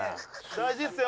大事ですよ！